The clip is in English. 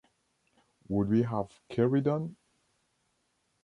Would we have carried on?